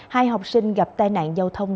hai học sinh gặp tai nạn giao thông